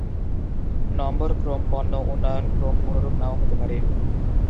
নম্বর ক্রম পণ্য উন্নয়ন ক্রম অনুরূপ নাও হতে পারে।